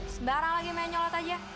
sebarang lagi main colot aja